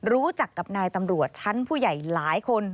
รู้จักกับนายตำรวจชั้นผู้ใหญ่หลายคน